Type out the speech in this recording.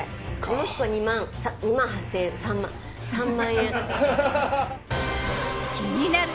もしくは２万８，０００円３万３万円。